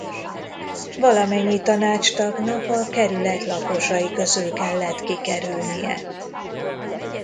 Valamennyi tanácstagnak a kerület lakosai közül kellett kikerülnie.